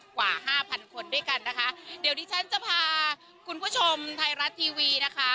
กว่าห้าพันคนด้วยกันนะคะเดี๋ยวที่ฉันจะพาคุณผู้ชมไทยรัฐทีวีนะคะ